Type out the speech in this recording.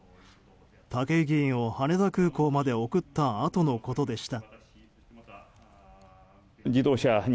武井議員を羽田空港まで送ったあとのことでした。